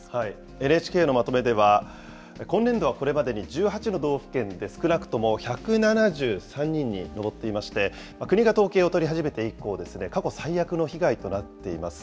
ＮＨＫのまとめでは、今年度はこれまでに１８の道府県で、少なくとも１７３人に上っていまして、国が統計を取り始めて以降ですね、過去最悪の被害となっています。